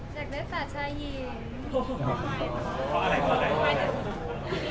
ต้องที่อยากได้แฟนะอยากได้สาชายี